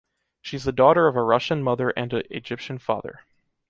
She’s the daughter of a Russian mother and a Egyptian father.